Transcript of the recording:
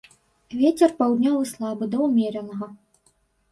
Вецер паўднёвы слабы да ўмеранага.